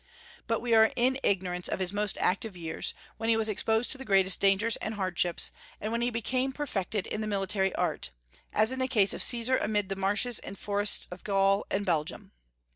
But we are in ignorance of his most active years, when he was exposed to the greatest dangers and hardships, and when he became perfected in the military art, as in the case of Caesar amid the marshes and forests of Gaul and Belgium.